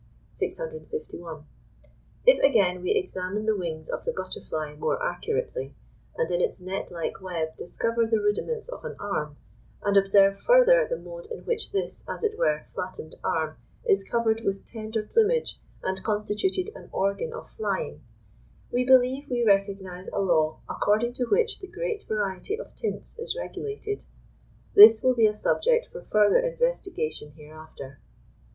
651. If, again, we examine the wings of the butterfly more accurately, and in its net like web discover the rudiments of an arm, and observe further the mode in which this, as it were, flattened arm is covered with tender plumage and constituted an organ of flying; we believe we recognise a law according to which the great variety of tints is regulated. This will be a subject for further investigation hereafter.